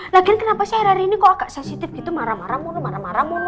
lagian kenapa sih hari hari ini kok kakak sensitif gitu marah marah mulu marah marah mulu